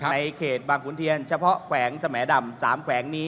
ในเขตบางขุนเทียนเฉพาะแขวงสมดำ๓แขวงนี้